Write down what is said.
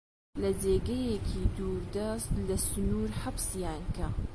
لە جێگەیەکی دووردەست، لە سنوور حەبسیان کە!